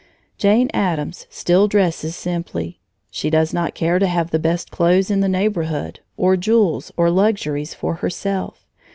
Jane Addams still dresses simply. She does not care to have the best clothes in the neighborhood, or jewels, or luxuries for herself.